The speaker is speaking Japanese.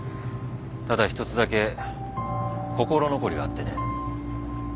ただ１つだけ心残りがあってね。